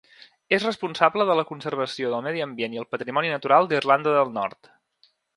És responsable de la conservació del medi ambient i el patrimoni natural d'Irlanda del Nord.